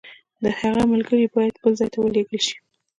د هغه ملګري باید بل ځای ته ولېږل شي.